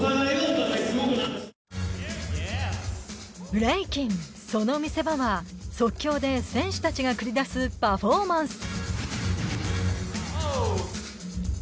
ブレイキン、その見せ場は即興で選手達が繰り出すパフォーマンス。